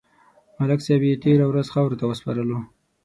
ملک صاحب یې تېره ورځ خاورو ته وسپارلو.